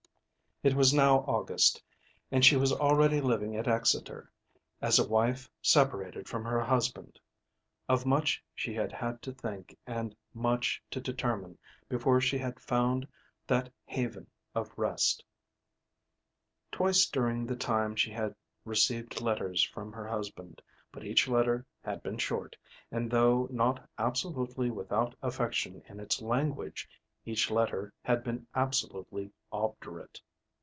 It was now August, and she was already living at Exeter as a wife separated from her husband. Of much she had had to think and much to determine before she had found that haven of rest. Twice during the time she had received letters from her husband, but each letter had been short, and, though not absolutely without affection in its language, each letter had been absolutely obdurate.